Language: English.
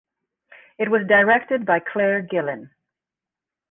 It was directed by Clare Gillen.